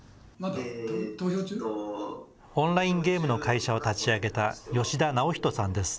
オンラインゲームの会社を立ち上げた吉田直人さんです。